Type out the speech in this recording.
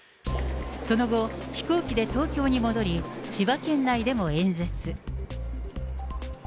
その後、飛行機で東京に戻り、千葉県内でも演説。